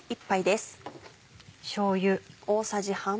しょうゆ。